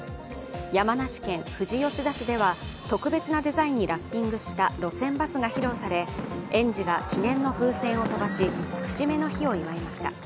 山梨県富士吉田市では特別なデザインにラッピングした路線バスが披露され園児が記念の風船を飛ばし節目の日を祝いました。